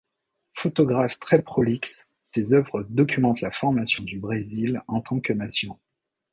Photographe très prolixe, ses œuvres documentent la formation du Brésil en tant que nation.